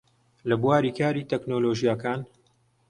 لە بواری کاری تەکنۆلۆژیاکان